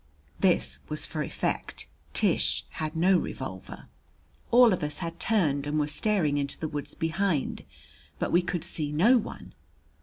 This was for effect. Tish had no revolver. All of us had turned and were staring into the woods behind, but we could see no one.